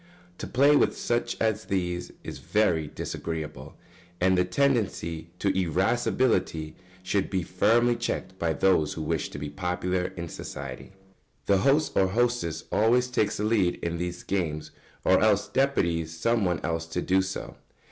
To play with such as these is very disagreeable, and the tendency to irascibility should be firmly checked by those who wish to be popular in society. The host or hostess always takes the lead in these games, or else deputes some one else to do so.